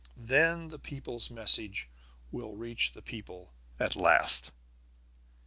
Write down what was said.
Then the people's message will reach the people at last.